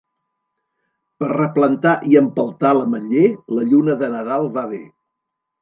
Per replantar i empeltar l'ametller la lluna de Nadal va bé.